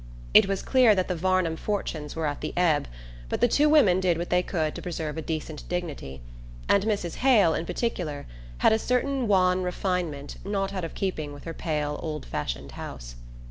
It was clear that the Varnum fortunes were at the ebb, but the two women did what they could to preserve a decent dignity; and Mrs. Hale, in particular, had a certain wan refinement not out of keeping with her pale old fashioned house.